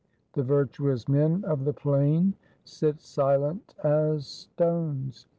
The virtuous men of the Plain sit silent as stones.